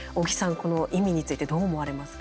この意味についてどう思われますか。